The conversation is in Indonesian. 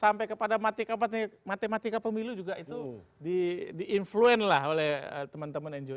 sampai kepada matematika pemilu juga itu di influen lah oleh teman teman ngo